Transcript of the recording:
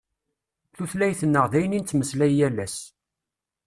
Tutlayt-nneɣ d ayen i nettmeslay yal ass.